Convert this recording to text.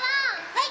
はい！